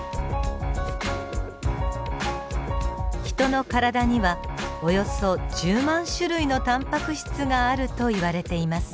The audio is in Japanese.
ヒトの体にはおよそ１０万種類のタンパク質があるといわれています。